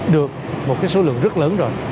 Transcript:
được một số lượng rất lớn rồi